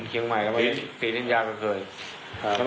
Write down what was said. ยินยาแต่ส่วนปุ่มเชียงใหม่สียินยาก็เคย